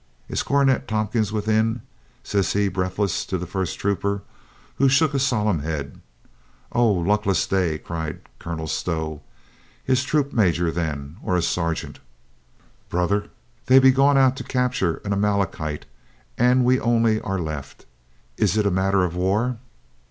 Is Cornet Tompkins within ?" says he breathless to the first trooper, who shook a solemn head. "Oh, luck less day!" cried Colonel Stow. "His troop major, then, or a sergeant?" "Brother, they be gone out to capture an Amale kite, and we only are left. Is it a matter of war?"